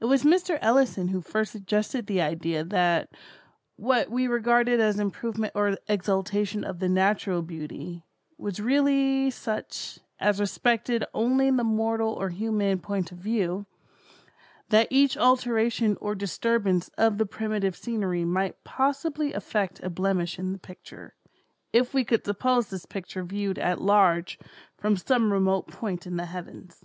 It was Mr. Ellison who first suggested the idea that what we regarded as improvement or exaltation of the natural beauty, was really such, as respected only the mortal or human point of view; that each alteration or disturbance of the primitive scenery might possibly effect a blemish in the picture, if we could suppose this picture viewed at large from some remote point in the heavens.